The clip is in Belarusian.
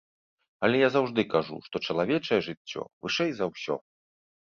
Але я заўжды кажу, што чалавечае жыццё вышэй за ўсё.